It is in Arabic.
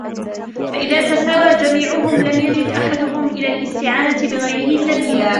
فَإِذَا تَسَاوَى جَمِيعُهُمْ لَمْ يَجِدْ أَحَدُهُمْ إلَى الِاسْتِعَانَةِ بِغَيْرِهِ سَبِيلًا